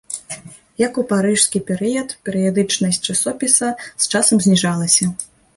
Як ў парыжскі перыяд, перыядычнасць часопіса з часам зніжалася.